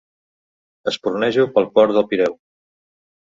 Espurnejo pel port del Pireu.